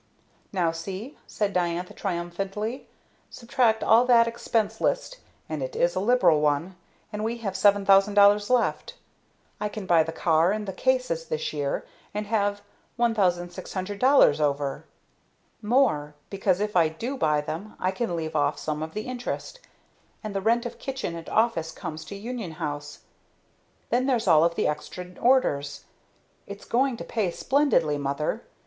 "Now, see," said Diantha triumphantly; "subtract all that expense list (and it is a liberal one), and we have $7,000 left. I can buy the car and the cases this year and have $1,600 over! More; because if I do buy them I can leave off some of the interest, and the rent of kitchen and office comes to Union House! Then there's all of the extra orders. It's going to pay splendidly, mother!